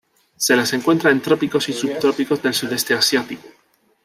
Se las encuentra en trópicos y subtrópicos del Sudeste Asiático.